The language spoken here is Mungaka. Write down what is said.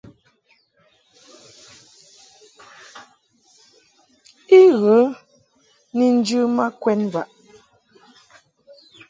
I ghə ni njɨ ma kwɛd mvaʼ.